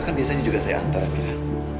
kan biasanya juga saya antar amira